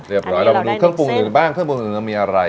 ร้อยเรามาดูเครื่องปรุงอื่นบ้างเครื่องปรุงอื่นเรามีอะไร